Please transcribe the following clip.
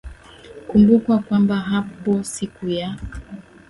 kumbukwa kwamba hapo siku ya